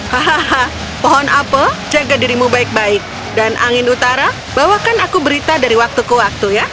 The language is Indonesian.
hahaha pohon apel jaga dirimu baik baik dan angin utara bawakan aku berita dari waktu ke waktu ya